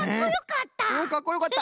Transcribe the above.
かっこよかった！